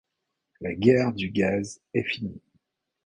La guerre du gaz est finie.